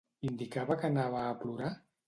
Indicava que anava a plorar?